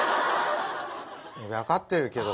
分かってるけど。